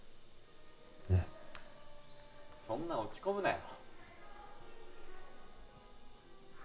うんそんな落ち込むなよ